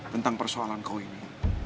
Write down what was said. tentang persoalan kau ini